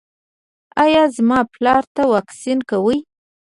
ایا زما پلار ته واکسین کوئ؟